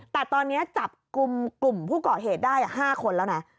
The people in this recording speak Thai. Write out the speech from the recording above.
แต่ตอนนี้จับกลุ่มกลุ่มผู้ก่อเหตุได้๕คนแล้วนะ